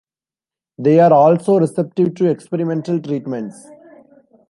They are also receptive to experimental treatments.